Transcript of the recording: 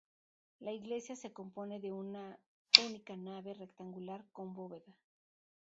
La iglesia se compone de una única nave rectangular con bóveda.